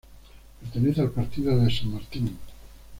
Pertenece al partido de San Martín.